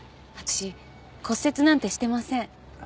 あたくし骨折なんてしてません。